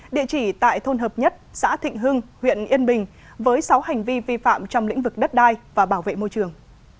địa chỉ tại thôn hợp nhất xã thịnh hưng huyện yên bình với sáu hành vi vi phạm trong lĩnh vực đất đai và bảo vệ môi trường